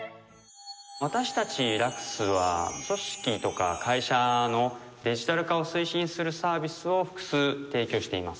私たちラクスは組織とか会社のデジタル化を推進するサービスを複数提供しています。